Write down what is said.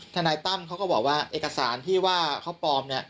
นายตั้มเขาก็บอกว่าเอกสารที่ว่าเขาปลอมเนี่ย